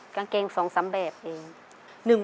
กางเกงสองซ้ำแบบเอง